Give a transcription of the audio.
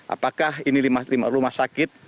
apakah ini lima rumah sakit